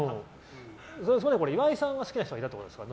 岩井さんは好きな人がいるってことですか？